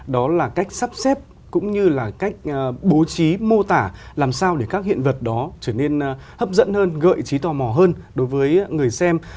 đó là cách sắp xếp cũng như là cách bố trí mô tả làm sao để các hiện vật đó trở nên hấp dẫn hơn gợi trí tò mò hơn đối với người xem